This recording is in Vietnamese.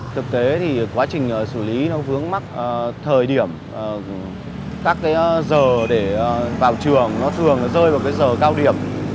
thực tế thì quá trình xử lý nó vướng mắt thời điểm các cái giờ để vào trường nó thường rơi vào cái giờ cao điểm